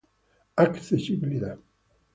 Accesibilidad